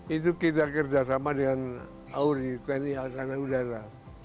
itu kita kerjasama dengan auri teknik alkandang udara